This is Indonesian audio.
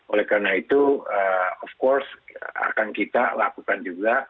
oleh karena itu tentu saja akan kita lakukan juga